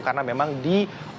karena memang di